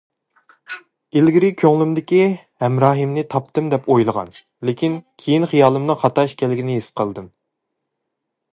ئىلگىرى كۆڭلۈمدىكى ھەمراھنى تاپتىم دەپ ئويلىغان، لېكىن كېيىن خىيالىمنىڭ خاتا ئىكەنلىكىنى ھېس قىلدىم.